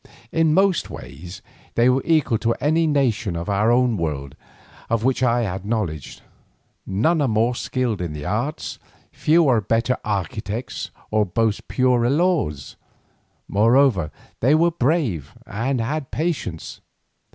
In most ways they were equal to any nation of our own world of which I had knowledge. None are more skilled in the arts, few are better architects or boast purer laws. Moreover, they were brave and had patience.